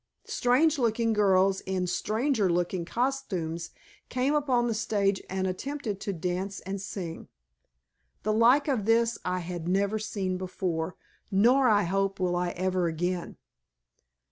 Strange looking girls in stranger looking costumes came upon the stage and attempted to dance and sing. The like of this I had never seen before (nor, I hope, will I ever again).